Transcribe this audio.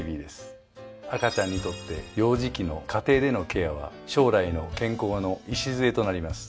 赤ちゃんにとって幼児期の家庭でのケアは将来の健康の礎となります。